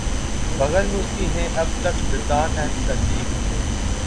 بغل میں اس کی ہیں اب تک بتان عہد عتیق